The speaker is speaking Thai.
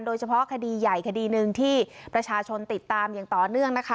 โดยเฉพาะคดีใหญ่คดีหนึ่งที่ประชาชนติดตามอย่างต่อเนื่องนะคะ